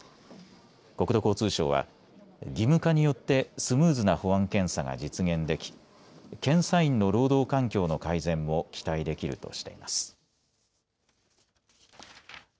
国土交通省は義務化によってスムーズな保安検査が実現でき検査員の労働環境の改善も期待できるとしています。